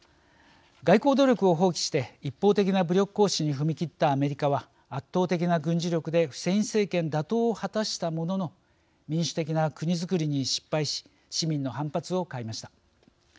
外交努力を放棄して一方的な武力行使に踏み切ったアメリカは、圧倒的な軍事力でフセイン政権打倒を果たしたものの民主的な国づくりに失敗し市民の反発を買いました。